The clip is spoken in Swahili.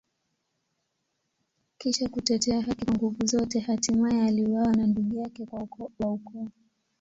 Kisha kutetea haki kwa nguvu zote, hatimaye aliuawa na ndugu yake wa ukoo.